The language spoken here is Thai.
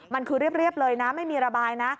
มันคือเรียบเลยนะไม่มีระบายนะ